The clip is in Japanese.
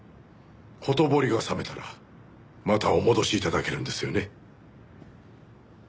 ほとぼりが冷めたらまたお戻し頂けるんですよね？